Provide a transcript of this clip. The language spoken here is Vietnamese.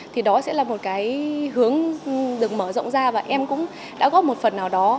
thì đó sẽ là một cái hướng được mở rộng ra và em cũng đã góp một phần nào đó